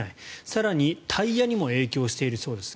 更に、タイヤにも影響しているそうです。